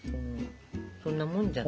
そんなもんじゃない？